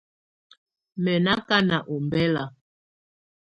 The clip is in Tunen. Mɛ nɔ́ ákana ɔmbɛla.